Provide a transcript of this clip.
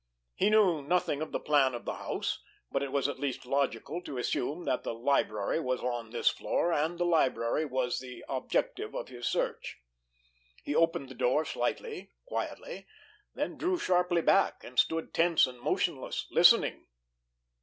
He knew nothing of the plan of the house, but it was at least logical to assume that the library was on this floor, and the library was the objective of his search. He opened the door slightly, quietly, then drew sharply back, and stood tense and motionless, listening.